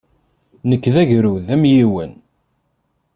Nekk d agrud amyiwen.